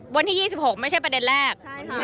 วันที่๒๖ไม่ใช่ประเด็นแรก